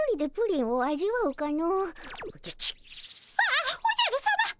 ああおじゃるさま。